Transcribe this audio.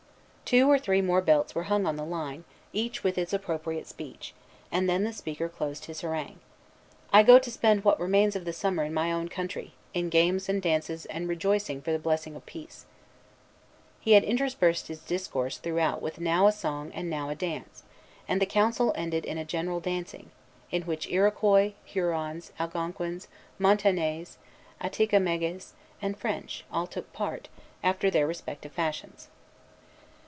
Two or three more belts were hung on the line, each with its appropriate speech; and then the speaker closed his harangue: "I go to spend what remains of the summer in my own country, in games and dances and rejoicing for the blessing of peace." He had interspersed his discourse throughout with now a song and now a dance; and the council ended in a general dancing, in which Iroquois, Hurons, Algonquins, Montagnais, Atticamegues, and French, all took part, after their respective fashions.